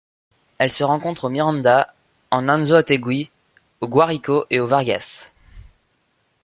Elle se rencontre au Miranda, en Anzoátegui, au Guárico et au Vargas.